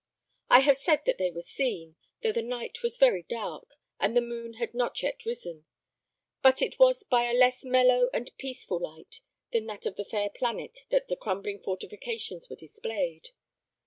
I have said that they were seen, though the night was very dark, and the moon had not yet risen; but it was by a less mellow and peaceful light than that of the fair planet that the crumbling fortifications were displayed.